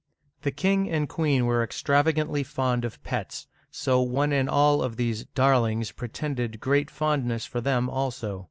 The king and queen were extrava gantly fond of pets ; so one and all of these " darlings " pretended great fondness for them also.